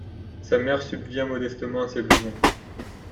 Sa mère subvient modestement à ses besoins.